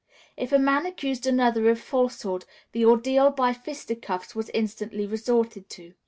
If a man accused another of falsehood, the ordeal by fisticuffs was instantly resorted to.